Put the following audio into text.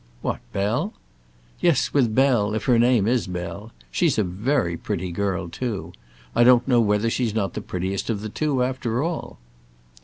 "What, Bell?" "Yes, with Bell, if her name is Bell. She's a very pretty girl, too. I don't know whether she's not the prettiest of the two, after all."